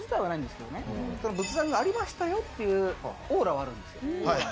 仏壇がありましたよっていうオーラはあるんです。